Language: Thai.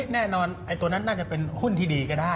แน่นอนตัวนั้นน่าจะเป็นหุ้นที่ดีก็ได้